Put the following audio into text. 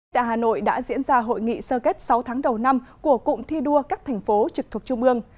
tại hà nội đã diễn ra hội nghị sơ kết sáu tháng đầu năm của cụm thi đua các thành phố trực thuộc trung ương